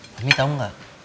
mami tau gak